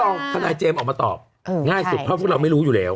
ทนายเจมส์ออกมาตอบง่ายสุดเพราะพวกเราไม่รู้อยู่แล้ว